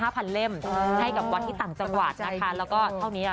พันเล่มให้กับวัดที่ต่างจังหวัดนะคะแล้วก็เท่านี้ล่ะ